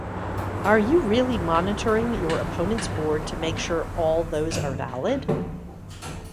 Are you really monitoring your opponent's board to make sure all those are valid?